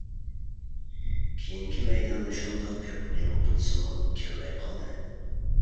كېيىنكى مەيداندا شۇنداق كۆپ ھۇجۇم قىلسىمۇ كىرمەي قالدى.